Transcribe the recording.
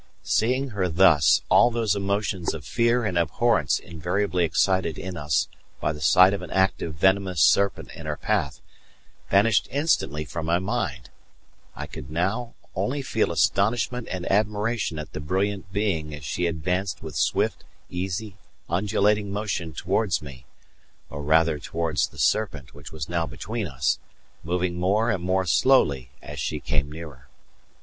Seeing her thus, all those emotions of fear and abhorrence invariably excited in us by the sight of an active venomous serpent in our path vanished instantly from my mind: I could now only feel astonishment and admiration at the brilliant being as she advanced with swift, easy, undulating motion towards me; or rather towards the serpent, which was now between us, moving more and more slowly as she came nearer.